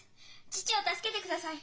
父を助けてください。